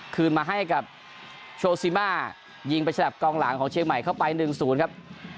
คืนมาให้กับโชซิมายิงไปฉลับกองหลังของเชียงใหม่เข้าไป๑๐ครับ